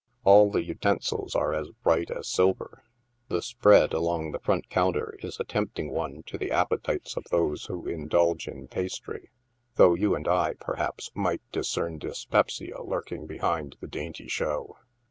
All the utensils are as bright as silver. The " spread" along the front counter is a tempting one to the appetites of those who indulge in pastry, though you and I, perhaps, might discern dyspepsia lurking behind the dainty show.